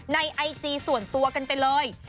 ไอจีส่วนตัวกันไปเลย